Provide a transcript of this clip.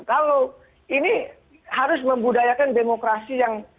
kalau ini harus membudayakan demokrasi yang